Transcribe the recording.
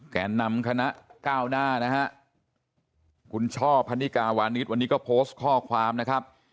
แก่นำคณะก้าวหน้านะฮะคุณช่อพันนิกาวานิสวันนี้ก็โพสต์ข้อความนะครับ